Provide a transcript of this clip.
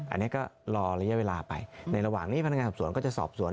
อันนี้ก็รอระยะเวลาไปในระหว่างนี้พนักงานสอบสวนก็จะสอบสวน